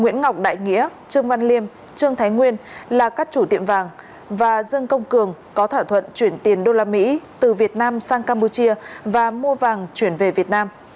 ngọc đại nghĩa trương văn liêm trương thái nguyên là các chủ tiệm vàng và dương công cường có thỏa thuận chuyển tiền đô la mỹ từ việt nam sang campuchia và mua vàng chuyển về việt nam